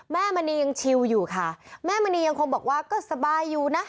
แม่มณียังชิวอยู่ค่ะแม่มณียังคงบอกว่าก็สบายอยู่นะ